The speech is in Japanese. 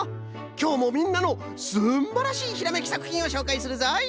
きょうもみんなのすんばらしいひらめきさくひんをしょうかいするぞい。